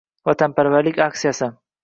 Vatanparvarlik aksiyasi